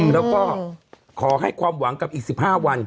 แล้วก็ขอให้ความหวังกับอีก๑๕วัน